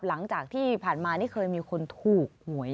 หลังจากที่ผ่านมานี่เคยมีคนถูกหวย